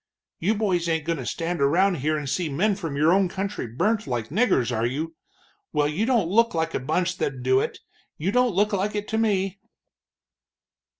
"You boys ain't goin' to stand around here and see men from your own country burnt like niggers, are you? Well, you don't look like a bunch that'd do it you don't look like it to me."